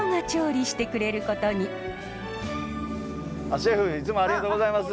シェフいつもありがとうございます。